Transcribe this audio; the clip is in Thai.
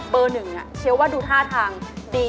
เบอร์๑เชียร์ว่าดูท่าทางดีที่สุด